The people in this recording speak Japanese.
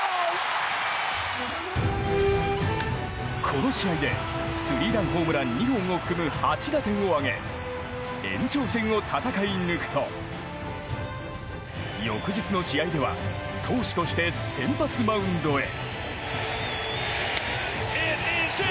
この試合でスリーランホームラン２本を含む８打点を挙げ延長戦を戦い抜くと翌日の試合では投手として先発マウンドへ。